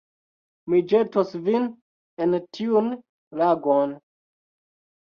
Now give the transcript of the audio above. Mi ĵetos vin en tiun lagon